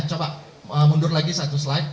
coba mundur lagi satu slide